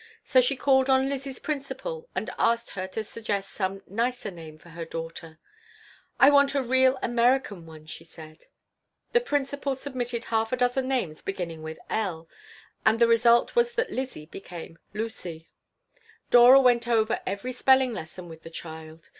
So she called on Lizzie's principal and asked her to suggest some "nicer name" for her daughter "I want a real American one," she said The principal submitted half a dozen names beginning with "L," and the result was that Lizzie became Lucy Dora went over every spelling lesson with the child.